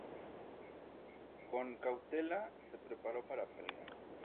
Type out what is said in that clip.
Con cautela, se preparó para pelear.